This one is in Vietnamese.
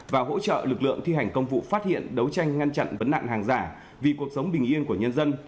và hỗ trợ lực lượng thi hành công vụ phát hiện đấu tranh ngăn chặn vấn nạn hàng giả vì cuộc sống bình yên của nhân dân